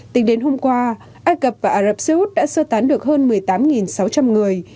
tính đến hôm qua ai cập và ả rập xê út đã sơ tán được hơn một mươi tám sáu trăm linh người